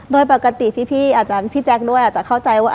โดยปกติพี่อาจจะพี่แจ๊คด้วยอาจจะเข้าใจว่า